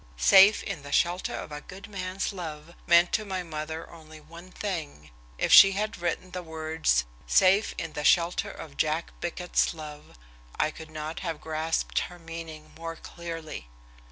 "Safe in the shelter of a good man's love" meant to my mother only one thing. If she had written the words "safe in the shelter of Jack Bickett's love," I could not have grasped her meaning more clearly.